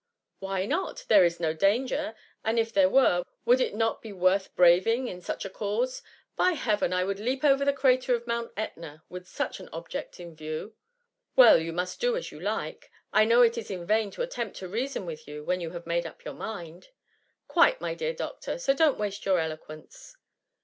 " Why not ? There is no danger, and if there were, would it not be worth braving in such a cause ? By Heaven ! I would leap over the crater of Mount Etna with such an object in view." ^^ Well, you must do as you like* I know it is in vain to attempt to reason with you when you have made up your mind.^ *^ Quite, my dear doctor, so don'^t waste your eloquence.